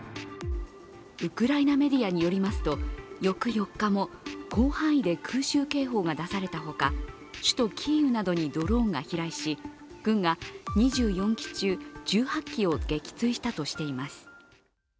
ウクライナメディアによりますと、翌４日も、広範囲で空襲警報が出されたほか首都キーウなどにドローンが飛来し軍が２４機中、１８機を撃墜したとしています。